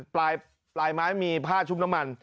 ปลายไม้มีผ้าชุบน้ำมัน